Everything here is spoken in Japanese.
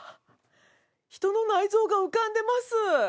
人の内臓が浮かんでます！